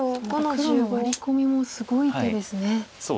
黒のワリコミもすごい手ですね。